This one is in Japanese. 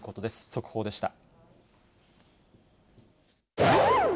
速報でした。